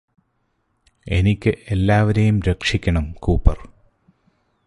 എനിക്ക് എല്ലാവരെയും രക്ഷിക്കണം കൂപ്പര്